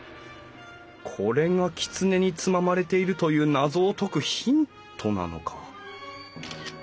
これがきつねにつままれているという謎を解くヒントなのか？